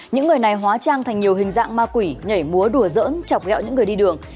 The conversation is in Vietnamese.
những người này hóa trang thành nhiều hình dạng ma quỷ nhảy múa đùa dỡn chọc gẹo những người đi đường